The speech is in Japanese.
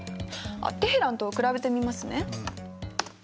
テヘランと比べてみますね。